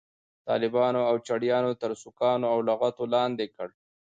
طالبانو او چړیانو تر سوکانو او لغتو لاندې کړ.